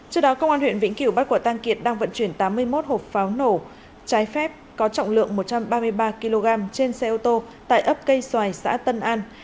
trước đó công an huyện vĩnh kiểu bắt quả tang kiệt đang vận chuyển tám mươi một hộp pháo nổ trái phép có trọng lượng một trăm ba mươi ba kg trên xe ô tô tại ấp cây xoài xã tân an